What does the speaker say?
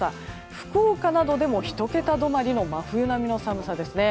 福岡などでも１桁止まりの真冬並みの寒さですね。